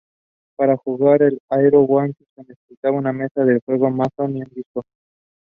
Meents was involved in the banking business.